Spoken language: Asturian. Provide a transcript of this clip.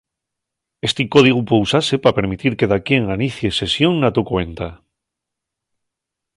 Esti códigu pue usase pa permitir que daquién anicie sesión na to cuenta.